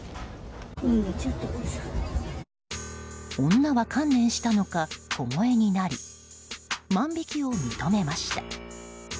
女は観念したのか小声になり万引きを認めました。